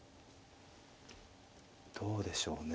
どうでしょうね